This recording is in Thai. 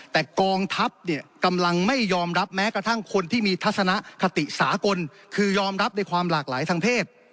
แต่กองทัพเนี่ยกำลังไม่ยอมรับแม้กระทั่งคนที่มีทัศนคติสากลคือยอมรับในความหลากหลายทางเพศ